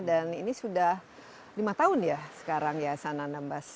dan ini sudah lima tahun ya sekarang yayasan anambas